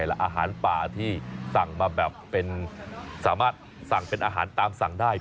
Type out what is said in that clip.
และอาหารป่าที่สั่งมาแบบเป็นสามารถสั่งเป็นอาหารตามสั่งได้